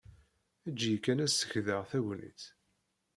Eǧǧ-iyi kan ad skeydeɣ tagnit.